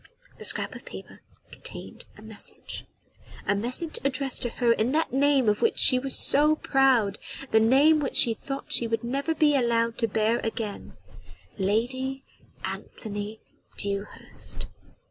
The scrap of paper contained a message a message addressed to her in that name of which she was so proud the name which she thought she would never be allowed to bear again: Lady Anthony Dewhurst.